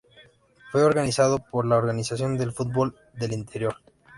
Fue organizado por la Organización del Fútbol del Interior.